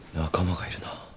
仲間がいるな。